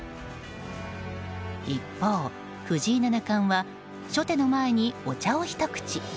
一方、藤井七冠は初手の前にお茶をひと口。